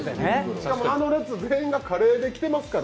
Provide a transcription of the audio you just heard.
しかもあの列、全員がカレーで来てますから。